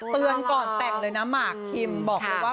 เตือนก่อนแต่งเลยนะหมากคิมบอกเลยว่า